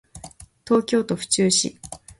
東京都府中市